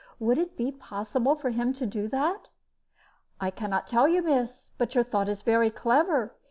Would it be possible for him to do that?" "I can not tell you, miss; but your thought is very clever.